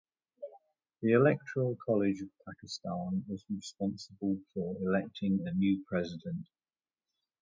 The Electoral College of Pakistan is responsible for electing a new president.